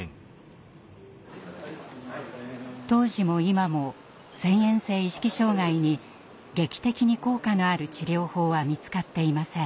当時も今も遷延性意識障害に劇的に効果のある治療法は見つかっていません。